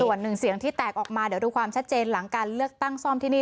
ส่วนหนึ่งเสียงที่แตกออกมาเดี๋ยวดูความชัดเจนหลังการเลือกตั้งซ่อมที่นี่